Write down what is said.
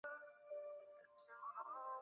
飞行器通常在机场过夜完成此项检查。